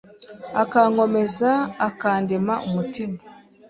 akankomeza akandema umutima